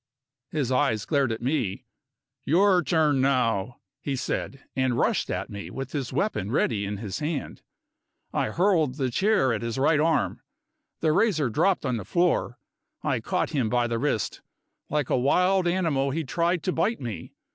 His eyes glared at me. "Your turn now," he said and rushed at me with his weapon ready in his hand. I hurled the chair at his right arm. The razor dropped on the floor. I caught him by the wrist. Like a wild animal he tried to bite me.